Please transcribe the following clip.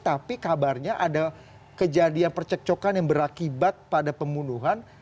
tapi kabarnya ada kejadian percekcokan yang berakibat pada pembunuhan